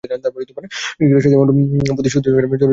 ক্রিকেটের স্বার্থে এমন শুদ্ধি অভিযান খুব জরুরি বলেও মনে করেন তিনি।